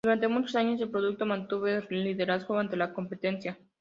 Durante muchos años el producto mantuvo el liderazgo ante la competencia.